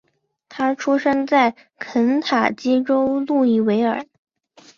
他出生在肯塔基州路易维尔。